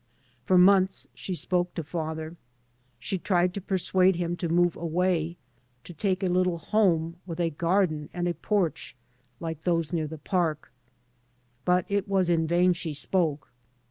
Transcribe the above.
For months she spoke to father. She tried to persuade him to move away, to take a little home, " with a garden and a porch, like those near the park." But it was in vain she spoke.